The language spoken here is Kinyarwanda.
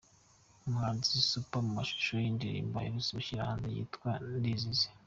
Umuhanzi Superb mu mashusho y'indirimbo aherutse gushyira hanze yitwa "Ndizize".